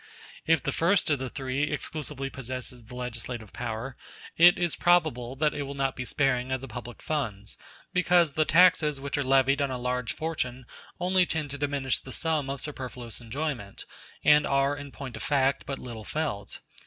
If the first of the three exclusively possesses the legislative power, it is probable that it will not be sparing of the public funds, because the taxes which are levied on a large fortune only tend to diminish the sum of superfluous enjoyment, and are, in point of fact, but little felt.